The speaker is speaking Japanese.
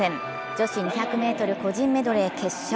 女性２００ｍ個人メドレー決勝。